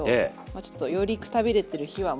あちょっとよりくたびれてる日はもう。